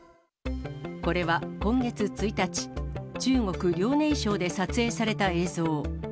これは今月１日、中国・遼寧省で撮影された映像。